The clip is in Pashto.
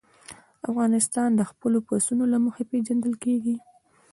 افغانستان د خپلو پسونو له مخې پېژندل کېږي.